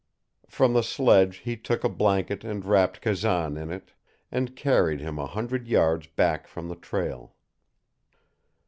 From the sledge he took a blanket and wrapped Kazan in it, and carried him a hundred yards back from the trail.